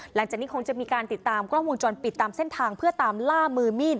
หลังจากนี้คงจะมีการติดตามกล้องวงจรปิดตามเส้นทางเพื่อตามล่ามือมีด